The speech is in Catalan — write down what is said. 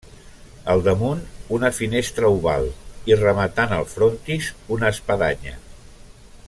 Al damunt, una finestra oval i, rematant el frontis, una espadanya.